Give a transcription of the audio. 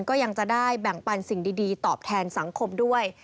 ก็ยังจะได้แบ่งปันสิ่งดีตอบแทนสังคมด้วย